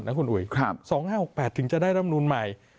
ที่สุดนะคุณอุ๋ยครับสองห้าหกแปดถึงจะได้รำรุนใหม่